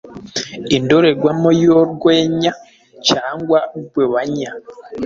Indorerwamo yo guenya cyangwa guebanya